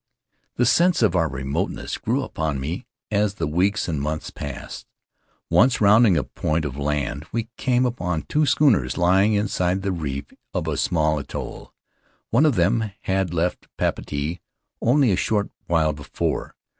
The sense of our remoteness grew upon me as the weeks and months passed. Once, rounding a point of land, we came upon two schooners lying inside the reef of a small atoll. One of them had left Papeete only a short while before.